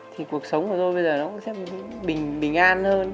thì cuộc sống của tôi bây giờ nó cũng sẽ bình an hơn